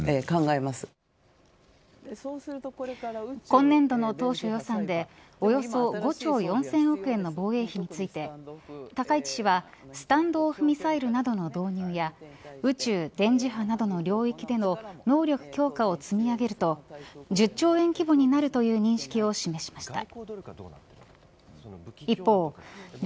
今年度の当初予算でおよそ５兆４０００億円の防衛費について高市はスタンドオフミサイルなどの導入や宇宙・電磁波などの領域での能力強化を積み上げると１０兆円規模になるとの認識を示しました。